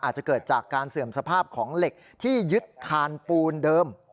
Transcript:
อาจจะเกิดจากการเสื่อมสภาพของเหล็กที่ยึดคานปูนเดิม